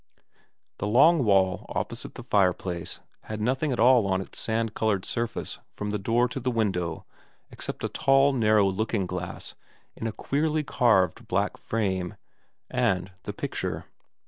The long wall opposite the fireplace had nothing at all on its sand coloured surface from the door to the window except a tall narrow looking glass in a queerly carved black frame, and the picture.